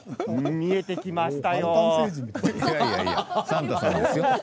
見えてきました。